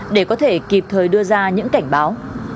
để có thể kịp thời đưa ra những cảnh báo